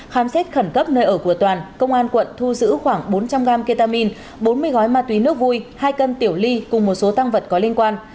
khám xét khẩn cấp nơi ở của toàn công an quận thu giữ khoảng bốn trăm linh gram ketamin bốn mươi gói ma túy nước vui hai cân tiểu ly cùng một số tăng vật có liên quan